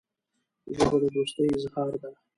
ژبه د دوستۍ اظهار ده